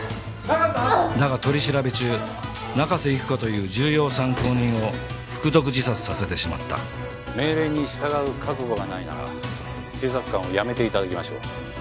だが取り調べ中中瀬由紀子という重要参考人を服毒自殺させてしまった命令に従う覚悟がないなら警察官を辞めていただきましょう。